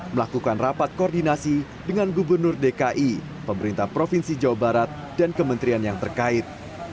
melakukan rapat koordinasi dengan gubernur dki pemerintah provinsi jawa barat dan kementerian yang terkait